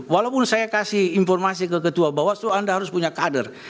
walaupun saya kasih informasi ke ketua bawaslu anda harus punya kader